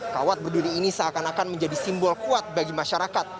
kawat berdiri ini seakan akan menjadi simbol kuat bagi masyarakat